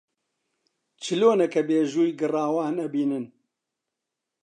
چلۆنە کە بیژووی گڕاوان ئەبینن